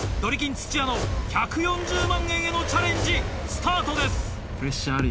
土屋の１４０万円へのチャレンジスタートです。